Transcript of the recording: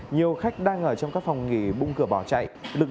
nhiều khách đang ở trong các phòng nghỉ bung cửa bỏ chạy